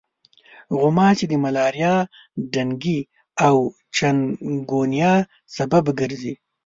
غوماشې د ملاریا، ډنګي او چکنګونیا سبب ګرځي.